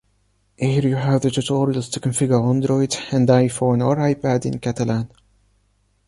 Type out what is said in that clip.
Here you have the tutorials to configure Android and iPhone or iPad in Catalan.